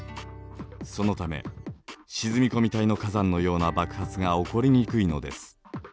そのため沈み込み帯の火山のような爆発が起こりにくいのです。